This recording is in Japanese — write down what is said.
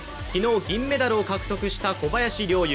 昨日、銀メダルを獲得した小林陵